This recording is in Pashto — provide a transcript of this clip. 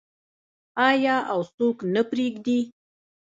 آیا او څوک نه پریږدي؟